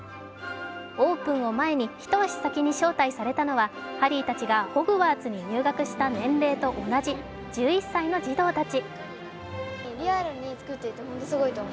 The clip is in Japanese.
オープンを前に一足先に招待されたのはハリーたちがホグワーツに入学した年齢と同じ１１歳の児童たち。